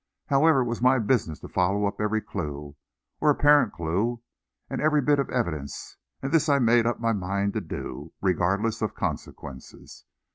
However, it was my business to follow up every clue, or apparent clue, and every bit of evidence, and this I made up my mind to do, regardless of consequences.